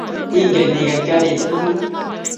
Inge iget karit iman ooh ?